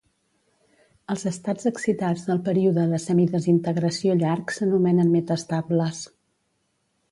Els estats excitats del període de semidesintegració llarg s'anomenen metaestables.